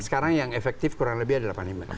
sekarang yang efektif kurang lebih ada delapan puluh lima